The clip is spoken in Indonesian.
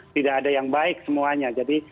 tidak ada yang baik semuanya jadi